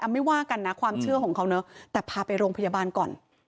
ไม่ว่ากันนะความเชื่อของเขาเนอะแต่พาไปโรงพยาบาลก่อน